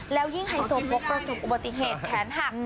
แล้วยิ่งไฮโซโพกประสบอุบัติเหตุแขนหัก